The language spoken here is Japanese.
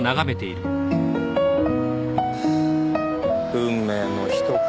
運命の人か。